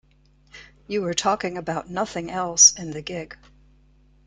You were talking about nothing else in the gig.